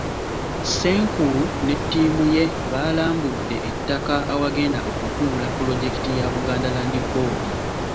Ssenkulu ne ttiimu ye baalambudde ettaka awagenda okutuula pulojekiti ya Buganda Land Board.